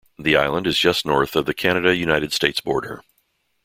The island is just north of the Canada-United States border.